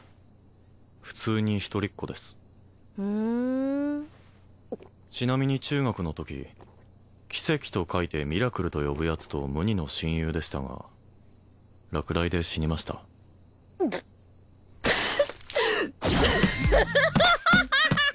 普通に一人っ子ですふんちなみに中学のとき「奇跡」と書いて「ミラクル」と呼ぶヤツと無二の親友でしたが落雷で死にましたうっプッアハハハハハ！